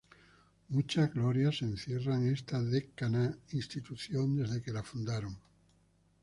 Muchas glorias encierra esta Decana Institución desde que la fundaron.